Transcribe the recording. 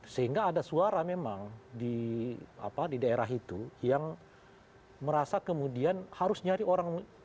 sehingga ada suara memang di daerah itu yang merasa kemudian harus nyari orang